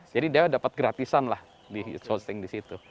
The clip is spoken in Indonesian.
jadi dia dapat gratisan lah di hosting di situ